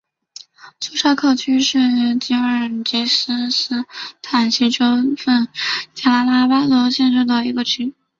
苏扎克区是吉尔吉斯斯坦西部州份贾拉拉巴德州下辖的一个区。